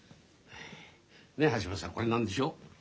ねえ橋本さんこれ何でしょう。